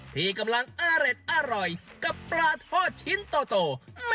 ที่กำลังอร่อยกับปลาทอดชิ้นโต๊ะ